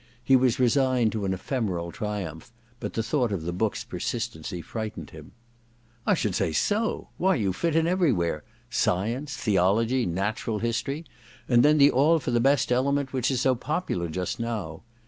He was resigned to an ephemeral triumph but the thought of the book's per sistency frightened him. * I should say so ! Why, you fit in every where — ^science, theology, natural history — ^and 26 THE DESCENT OF MAN iv then the all for the best element which is so popular just now.